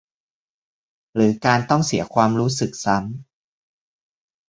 หรือการต้องเสียความรู้สึกซ้ำ